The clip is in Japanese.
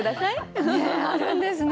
あるんですね。